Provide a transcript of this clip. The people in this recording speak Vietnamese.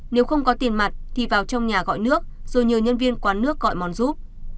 nếu không có tiền mặt thì vào trong nhà gọi nước rồi nhờ nhân viên quán nước gọi món giúp